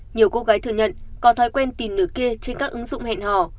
nhiều cô gái thừa nhận có thói quen tìm nửa kia trên các ứng dụng hẹn hò